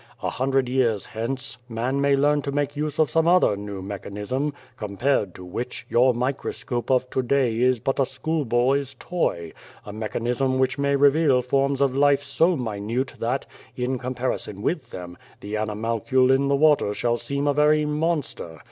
A hundred years hence, man may learn to make use of some other new mechanism, compared to which, your micro scope of to day is but a schoolboy's toy a mechanism which may reveal forms of life so minute that, in comparison with them, the animalcule in the water shall seem a very monster.